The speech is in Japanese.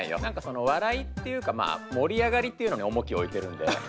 何かその笑いっていうかまあ盛り上がりっていうのに重きを置いてるんで。